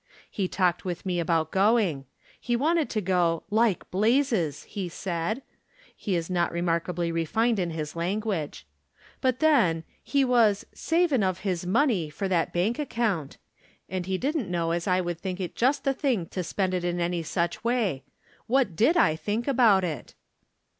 He talked with me about going. He wanted to go " like blazes !" he said. He is not remarkably refined in his language. But, then, he was " savin of " 160 From Different Standpoints. 167 his money for that bank account, and he didn't know as I would think it just the tiling to spend it in any such way. What did I think about it